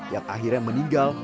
yang akhirnya meninggal